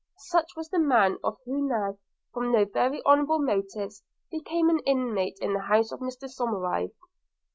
Such was the man who was now, from no very honourable motives, become an inmate in the house of Mr Somerive.